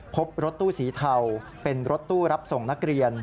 พบรถตู้สีเทาเป็นรถตู้รับส่งนักเรียน